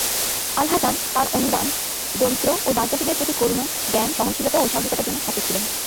আল-হাসান তাঁর অনুদান, দরিদ্র ও দাস-দাসীদের প্রতি করুণা, জ্ঞান, সহনশীলতা ও সাহসিকতার জন্য খ্যাত ছিলেন।